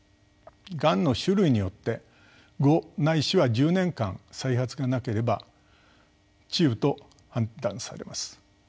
がんの種類によって５ないしは１０年間再発がなければ治癒と判断されます。